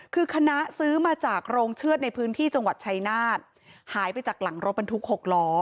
คือคณะซื้อมาจากโรงเชือดในพื้นที่จังหวัดชายนาฏหายไปจากหลังรถบรรทุก๖ล้อ